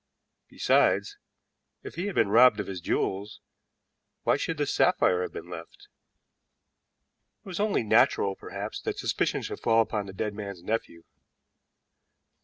Besides, if he had been robbed of his jewels, why should the sapphire have been left? It was only natural, perhaps, that suspicion should fall upon the dead man's nephew.